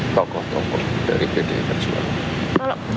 tokoh tokoh dari pdi perjuangan